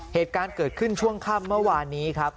เหตุการณ์เกิดขึ้นช่วงค่ำเมื่อวานนี้ครับ